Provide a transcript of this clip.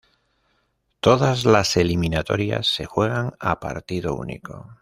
Todas las eliminatorias se juegan a partido único.